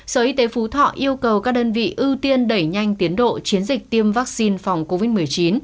sở y tế phú thọ yêu cầu các đơn vị ưu tiên đẩy nhanh tiến độ chiến dịch tiêm vaccine phòng covid một mươi chín